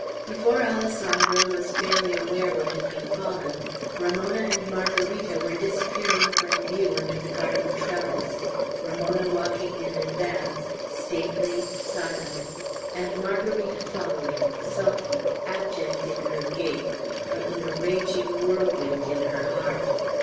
Before Alessandro was fairly aware what had befallen, Ramona and Margarita were disappearing from view under the garden trellis, Ramona walking in advance, stately, silent, and Margarita following, sulky, abject in her gait, but with a raging whirlwind in her heart.